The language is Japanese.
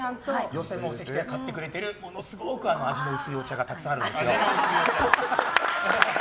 寄席の席で買ってくれているものすごく味の薄いお茶がたくさんあるんです。